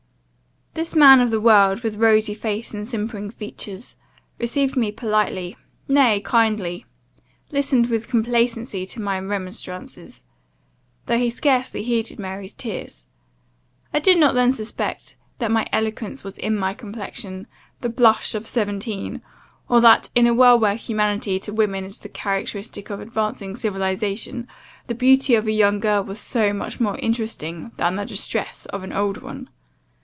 "This man of the world, with rosy face and simpering features, received me politely, nay kindly; listened with complacency to my remonstrances, though he scarcely heeded Mary's tears. I did not then suspect, that my eloquence was in my complexion, the blush of seventeen, or that, in a world where humanity to women is the characteristic of advancing civilization, the beauty of a young girl was so much more interesting than the distress of an old one.